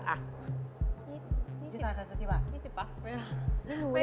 นี่สิบเหรอครับ๑๐สักทีครับ๒๐บาท